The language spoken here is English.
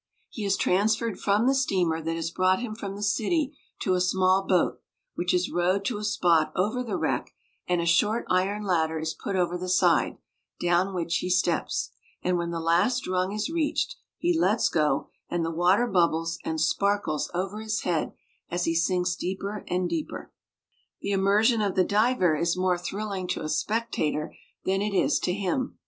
He is transferred from the steamer that has brought him from the city to a small boat, which is rowed to a spot over the wreck, and a short iron ladder is put over the side, down which he steps; and when the last rung is reached, he lets go, and the water bubbles and sparkles over his head as he sinks deeper and deeper. The immersion of the diver is more thrilling to a spectator than it is to him.